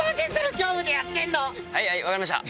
はいはい分かりました！